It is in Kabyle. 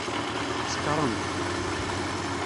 Sekṛent.